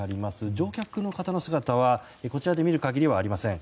乗客の方の姿はこちらで見る限りはありません。